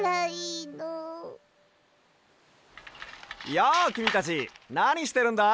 やあきみたちなにしてるんだい？